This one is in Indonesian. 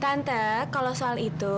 tante kalau soal itu